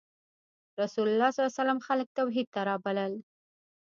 رسول الله ﷺ خلک توحید ته رابلل.